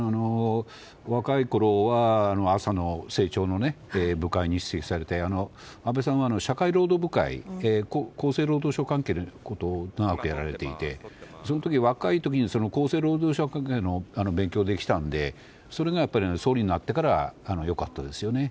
若いころは朝の政調の部会に出席されて安倍さんは社会労働部会厚生労働省関係のことを長くやられていてその時、若い時に厚生労働省関連の勉強で来たのでそれがやっぱり総理になってから良かったですよね。